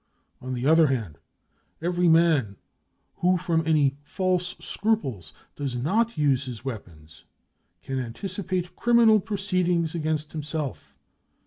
On the other hand, every man who from any false scruples does not use his weapons can anticipate criminal proceedings against himself.